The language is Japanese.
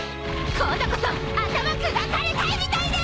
今度こそ頭砕かれたいみたいね！